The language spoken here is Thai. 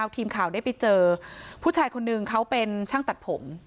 ทีมข่าวได้ไปเจอผู้ชายคนนึงเขาเป็นช่างตัดผม